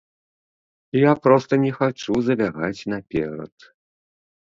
Я проста не хачу забягаць наперад.